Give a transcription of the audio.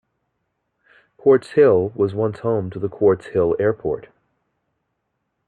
Quartz Hill was once home to the Quartz Hill Airport.